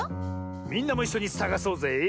みんなもいっしょにさがそうぜ！